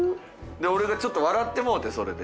で俺がちょっと笑ってもうてそれで。